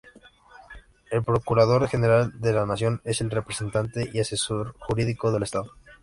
El Procurador General de la Nación es el representante y asesor jurídico del Estado.